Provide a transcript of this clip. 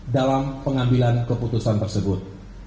dalam pengambilan keputusan tersebut